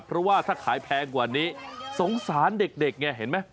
เพราะว่าถ้าขายแพงกว่านี้สงสารเด็กไงเห็นไหม